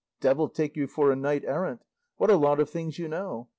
Devil take you for a knight errant, what a lot of things you know!